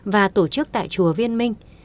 và tổ chức tại chùa viên minh